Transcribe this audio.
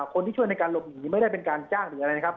คนที่ช่วยในการหลบหนีไม่ได้เป็นการจ้างหรืออะไรนะครับ